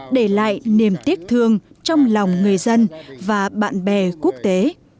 để lại niềm tiếc thương trong lòng người dân và bạn bè quốc tế